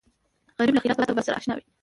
غریب له خیر او برکت سره اشنا وي